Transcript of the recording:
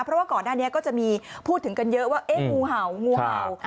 เพราะว่าก่อนหน้านี้ก็จะมีพูดถึงกันเยอะว่าเอ๊ะงูเห่างูเห่า